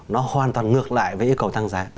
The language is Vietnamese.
nó hoàn toàn ngược lại với yêu cầu tăng giá